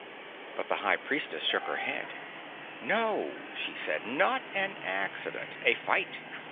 But the High Priestess shook her head. "No," she said. "Not an accident. A fight.